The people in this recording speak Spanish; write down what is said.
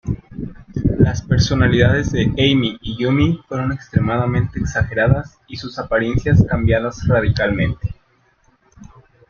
Las personalidades de Ami y Yumi fueron extremadamente exageradas y sus apariencias cambiadas radicalmente.